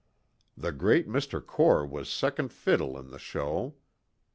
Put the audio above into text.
The great Mr. Core was second fiddle in the show.